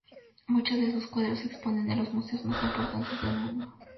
Muchos de sus cuadros se exponen en los museos más importantes del mundo.